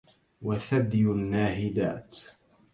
وثدي ناهدات